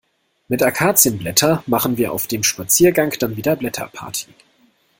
Mit Akazienblätter machen wir auf dem Spaziergang dann wieder Blätterparty.